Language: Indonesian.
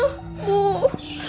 nah ini galon teh